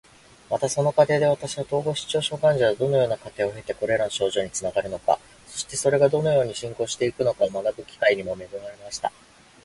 また、その過程で私は、統合失調症患者がどのような過程を経てこれらの症状につながるのか、そしてそれがどのように進行していくのかを学ぶ機会にも恵まれました。